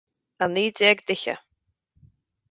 A naoi déag d'fhichithe